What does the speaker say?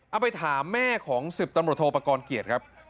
เอาไปถามแม่ของ๑๐ตำรวจโทรประกอลเกียจครับ